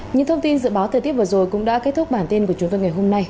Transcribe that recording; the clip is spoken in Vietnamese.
những thông tin dự báo thời tiết vừa rồi cũng đã kết thúc bản tin của chúng tôi ngày hôm nay